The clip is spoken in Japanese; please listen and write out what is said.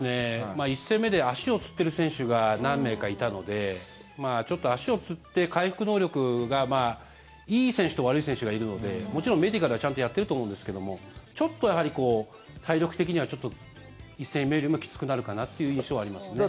１戦目で足をつっている選手が何名かいたのでちょっと足をつって回復能力がいい選手と悪い選手がいるのでもちろんメディカルは、ちゃんとやっていると思うんですけども体力的には、１戦目よりもきつくなるかなっていう印象はありますね。